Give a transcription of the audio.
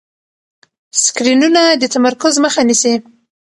سکرینونه د تمرکز مخه نیسي.